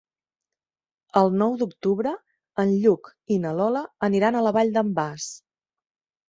El nou d'octubre en Lluc i na Lola aniran a la Vall d'en Bas.